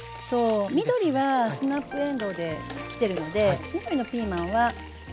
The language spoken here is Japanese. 緑はスナップえんどうできてるので緑のピーマンは使わず。